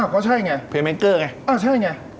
ก็ใช่ไง